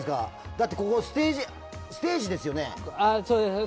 だって、ここステージですよね。